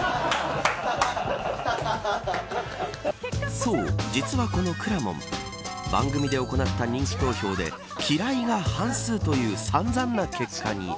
そう、実はこのくらもん番組で行った人気投票で嫌いが半数という散々な結果に。